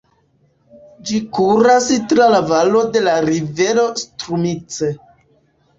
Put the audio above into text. Ĝi kuras tra la valo de la rivero Strumice.